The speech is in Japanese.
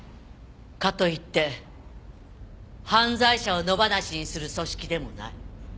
かといって犯罪者を野放しにする組織でもない。